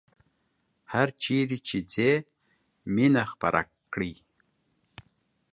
هرچیرې چې ځئ مینه خپره کړئ